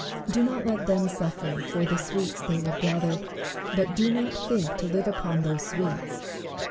Do not let them suffer for the sweets they would gather ; but do not think to live upon those sweets.